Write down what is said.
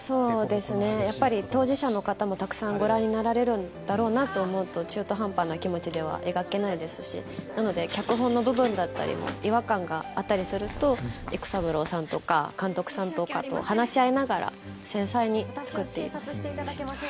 やっぱり当事者の方もたくさんご覧になるんだろうなと思うと中途半端な気持ちでは描けないですしなので脚本の部分とかも違和感があったりすると育三郎さんとか監督さんとかと話し合いながら繊細に作っています。